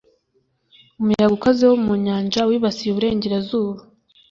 umuyaga ukaze wo mu nyanja wibasiye uburengerazuba